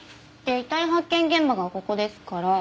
遺体発見現場がここですから。